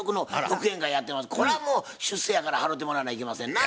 これはもう出世やから払うてもらわないけませんな。